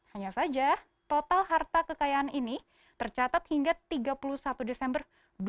hanya saja total harta kekayaan ini tercatat hingga tiga puluh satu desember dua ribu dua puluh